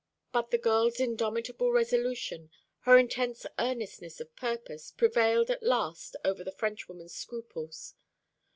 But the girl's indomitable resolution, her intense earnestness of purpose, prevailed at last over the Frenchwoman's scruples.